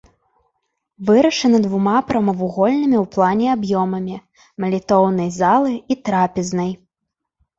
Вырашана двума прамавугольнымі ў плане аб'ёмамі малітоўнай залы і трапезнай.